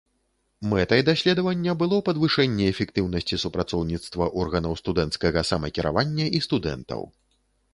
Мэтай даследавання было падвышэнне эфектыўнасці супрацоўніцтва органаў студэнцкага самакіравання і студэнтаў.